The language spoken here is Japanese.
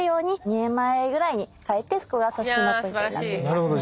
なるほど。